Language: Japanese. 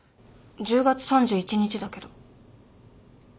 １０月３１日だけど。